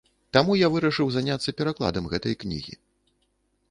Таму я і вырашыў заняцца перакладам гэтай кнігі.